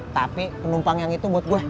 tapi penumpang yang itu buat gue